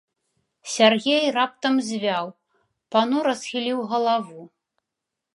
Сяргей раптам звяў, панура схіліў галаву.